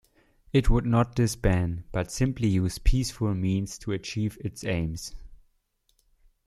It would not disband, but simply use peaceful means to achieve its aims.